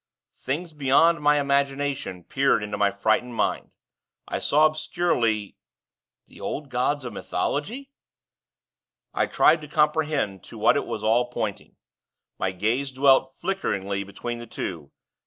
Things beyond my imagination peered into my frightened mind. I saw, obscurely. 'The old gods of mythology!' I tried to comprehend to what it was all pointing. My gaze dwelt, flickeringly, between the two.